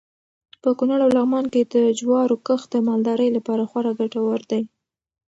په کونړ او لغمان کې د جوارو کښت د مالدارۍ لپاره خورا ګټور دی.